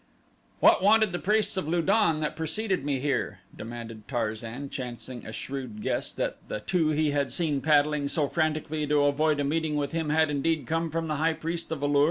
"What wanted the priests of Lu don that preceded me here?" demanded Tarzan chancing a shrewd guess that the two he had seen paddling so frantically to avoid a meeting with him had indeed come from the high priest at A lur.